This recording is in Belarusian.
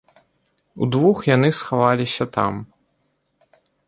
Удвух яны схаваліся там.